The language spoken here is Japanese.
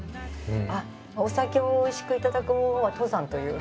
あっお酒をおいしく頂く方法は登山という。